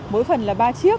mỗi phần là ba chiếc